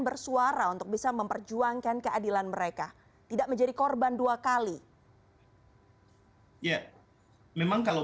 bersuara untuk bisa memperjuangkan keadilan mereka tidak menjadi korban dua kali ya memang kalau